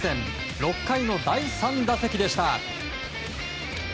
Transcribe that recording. ６回の第３打席でした。